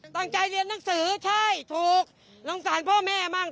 ตั้งใจเรียนหนังสือใช่ถูกสงสารพ่อแม่บ้าง